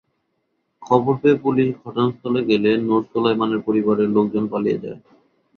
খবর পেয়ে পুলিশ ঘটনা স্থলে গেলে নুর সোলায়মানের পরিবারের লোকজন পালিয়ে যায়।